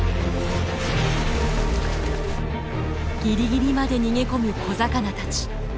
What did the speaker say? ギリギリまで逃げ込む小魚たち。